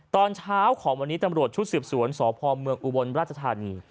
ตอนเช้าของวันนี้ตำรวจชุดสืบสวนสพเมืองอุบลราชธานี